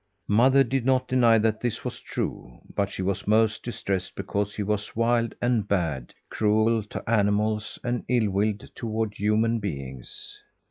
Mother did not deny that this was true; but she was most distressed because he was wild and bad; cruel to animals, and ill willed toward human beings.